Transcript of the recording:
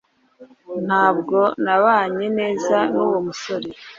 ntabwo nabanye neza nuwo musore